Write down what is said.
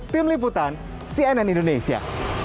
tim liputan cnn indonesia